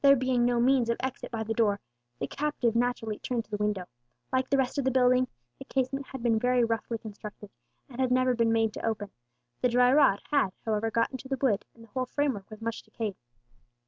There being no means of exit by the door, the captive naturally turned to the window. Like the rest of the building, the casement had been very roughly constructed, and had never been made to open. The dry rot had, however, got into the wood, and the whole framework was much decayed.